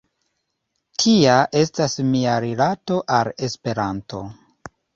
Tia estas mia rilato al Esperanto.